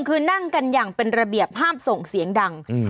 คือนั่งกันอย่างเป็นระเบียบห้ามส่งเสียงดัง